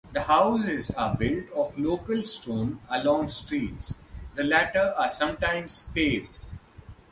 The houses are built of local stone along streets. The latter are sometimes paved.